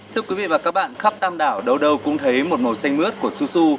thưa quý vị và các bạn khắp tam đảo đâu đâu cũng thấy một màu xanh mướt của susu